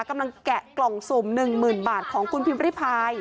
กำลังแกะกล่องสุมหนึ่งหมื่นบาทของคุณพิมพ์ริพาย